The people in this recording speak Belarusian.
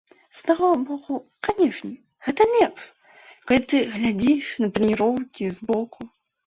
З аднаго боку, канешне, гэта лепш, калі ты глядзіш на трэніроўкі збоку.